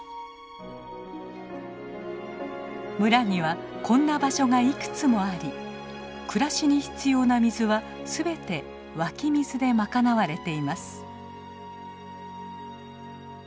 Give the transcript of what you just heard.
村にはこんな場所がいくつもあり暮らしに必要な水は全て湧き水で賄われています。